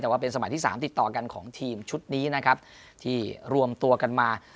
แต่ว่าเป็นสมัยที่สามติดต่อกันของทีมชุดนี้นะครับที่รวมตัวกันมา